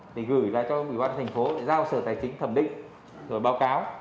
để gửi ra cho ủy ban thành phố để giao sở tài chính thẩm định rồi báo cáo